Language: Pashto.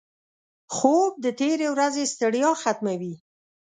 خوب د تېرې ورځې ستړیا ختموي